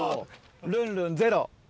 ルンルンゼロ。